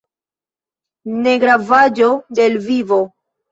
Negravaĵo de l' vivo.